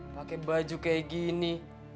pakai baju kayak gini